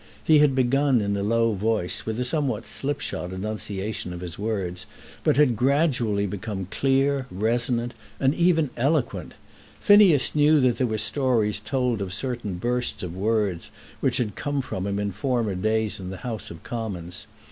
He had begun in a low voice, with a somewhat slipshod enunciation of his words, but had gradually become clear, resonant, and even eloquent. Phineas knew that there were stories told of certain bursts of words which had come from him in former days in the House of Commons.